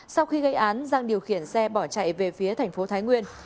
sau khi gây án giang điều khiển xe bỏ chạy về phía thành phố thái nguyên